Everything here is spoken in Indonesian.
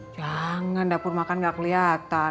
jangan dapur makan gak kelihatan